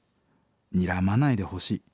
にらまないでほしい。